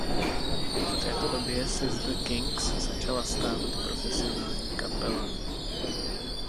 V této době se z The Kinks začala stávat profesionální kapela.